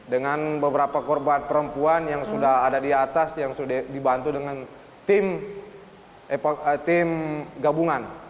dengan beberapa korban perempuan yang sudah ada di atas yang sudah dibantu dengan tim gabungan